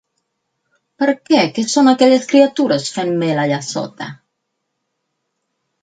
Per què, què són aquelles criatures, fent mel allà sota?